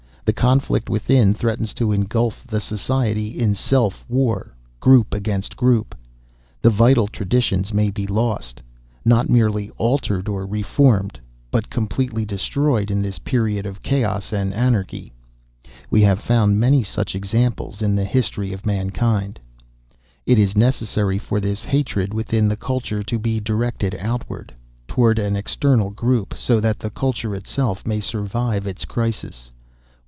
The conflict within threatens to engulf the society in self war, group against group. The vital traditions may be lost not merely altered or reformed, but completely destroyed in this period of chaos and anarchy. We have found many such examples in the history of mankind. "It is necessary for this hatred within the culture to be directed outward, toward an external group, so that the culture itself may survive its crisis.